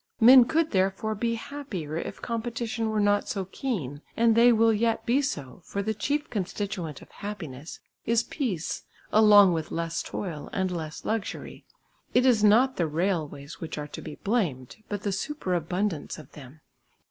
Men could therefore be happier if competition were not so keen and they will yet be so, for the chief constituent of happiness is peace along with less toil and less luxury. It is not the railways which are to be blamed, but the superabundance of them.